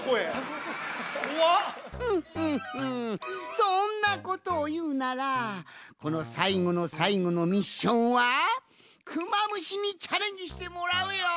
そんなことをいうならこのさいごのさいごのミッションはクマムシにチャレンジしてもらうよん！